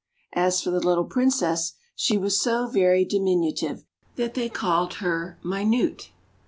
As for the little Princess, she was so very diminutive, that they called her Minute.